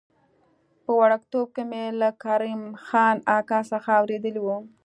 په وړکتوب کې مې له کرم خان اکا څخه اورېدلي و.